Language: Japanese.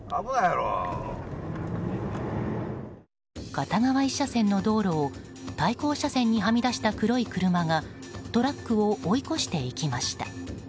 片側１車線の道路を対向車線にはみ出した黒い車がトラックを追い越していきました。